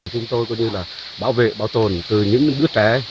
chúng tôi coi như là bảo vệ bảo tồn từ những đứa trẻ